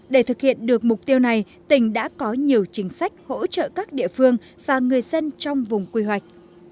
để thực hiện được mục tiêu này tỉnh đã có nhiều chính sách hỗ trợ các địa phương và người dân trong vùng quy hoạch